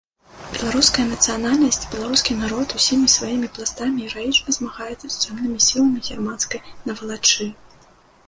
Беларуская нацыянальнасць, беларускі народ усімі сваімі пластамі гераічна змагаецца з цёмнымі сіламі германскай навалачы.